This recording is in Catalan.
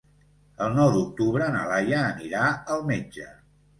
El nou d'octubre na Laia anirà al metge.